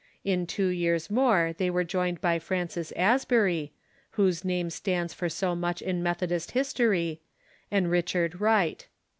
In two years more they were joined by Francis Asbury, Avhose name stands for so much in Methodist history, and Richard Wright.